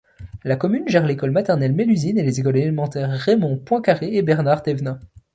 La commune gère l'école maternelle Mélusine et les écoles élémentaires Raymond-Poincaré et Bernard-Thévenin.